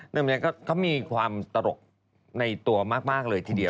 นึกมึงก็มีความตลกในตัวมากเลยทีเดียว